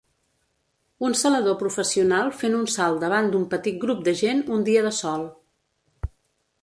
Un salador professional fent un salt davant d'un petit grup de gent un dia de sol.